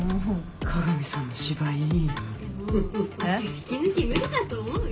引き抜き無理だと思うよ。